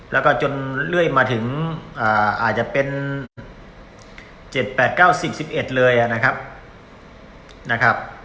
แล้วก็จนเรื่อยมาถึงอาจจะเป็น๗๘๙๔๑๑เลยนะครับ